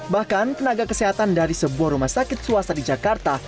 bahkan tenaga kesehatan dari sebuah rumah sakit swasta di jakarta